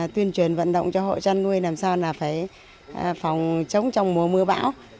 tuyên truyền vận động cho hộ chăn nuôi làm sao là phải phòng chống trong mùa mưa bão